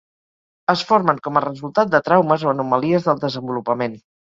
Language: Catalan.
Es formen com a resultat de traumes o anomalies del desenvolupament.